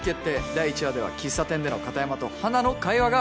第１話では喫茶店での片山と花の会話が明らかに